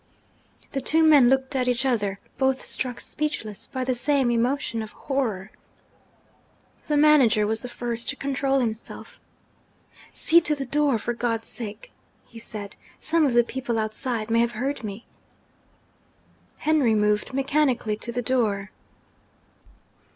The two men looked at each other, both struck speechless by the same emotion of horror. The manager was the first to control himself. 'See to the door, for God's sake!' he said. 'Some of the people outside may have heard me.' Henry moved mechanically to the door.